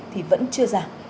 thì vẫn chưa ra